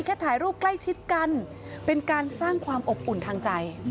ถ่ายรูปใกล้ชิดกันเป็นการสร้างความอบอุ่นทางใจ